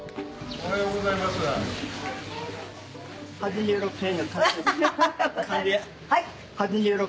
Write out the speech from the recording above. ・おはようございます・８６歳？